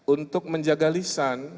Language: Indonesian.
untuk menjaga lisan